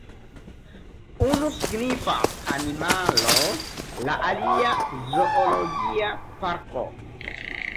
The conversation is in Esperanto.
Unu signifas ”animalo”, la alia ”zoologia parko”.